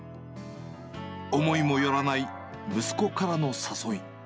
思いもよらない息子からの誘い。